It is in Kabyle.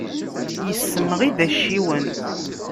Issemɣi-d acciwen.